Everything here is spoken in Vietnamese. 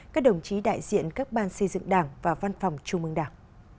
các đồng chí đại diện các ban xây dựng đảng và văn phòng trung mương đảng